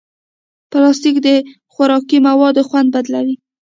پلاستيک د خوراکي موادو خوند بدلوي.